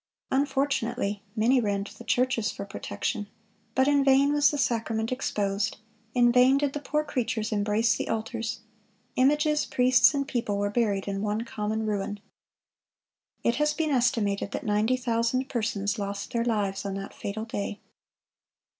Unfortunately, many ran to the churches for protection; but in vain was the sacrament exposed; in vain did the poor creatures embrace the altars; images, priests, and people were buried in one common ruin." It has been estimated that ninety thousand persons lost their lives on that fatal day.